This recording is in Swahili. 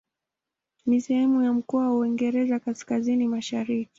Ni sehemu ya mkoa wa Uingereza Kaskazini-Mashariki.